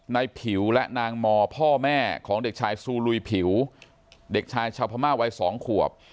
ผิวและนางมอพ่อแม่ของเด็กชายซูลุยผิวเด็กชายชาวพม่าวัย๒ขวบ